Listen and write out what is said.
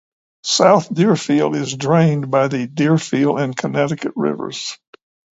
South Deerfield is drained by the Deerfield and Connecticut rivers.